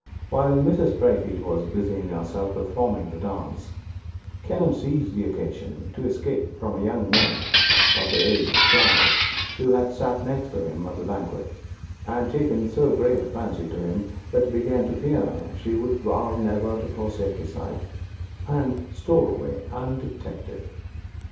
While Mrs. Braefield was busying herself with forming the dance, Kenelm seized the occasion to escape from a young nymph of the age of twelve, who had sat next to him at the banquet and taken so great a fancy to him that he began to fear she would vow never to forsake his side, and stole away undetected.